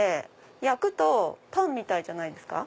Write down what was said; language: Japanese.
焼くとパンみたいじゃないですか？